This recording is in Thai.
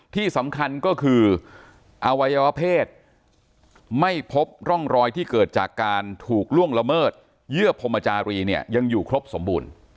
ที่สำคัญก็คืออวัยวะเพศไม่พบร่องรอยที่เกิดจากการถูกล่วงละเมิดเยื่อพรมจารีเนี่ยยังอยู่ครบสมบูรณ์